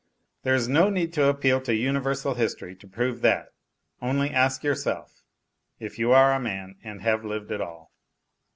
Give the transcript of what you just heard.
There is no need to appeal to universal history to prove that; only ask yourself, if you are a man and have lived at all.